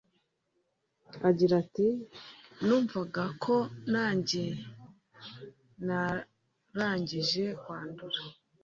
Agira ati “Numvaga ko nanjye narangije kwandura